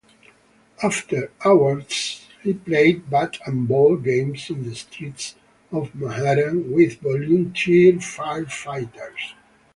After hours, he played bat-and-ball games in the streets of Manhattan with volunteer firefighters.